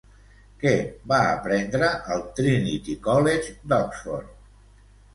Què va aprendre al Trinity College d'Oxford?